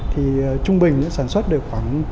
thì trung bình đã sản xuất được khoảng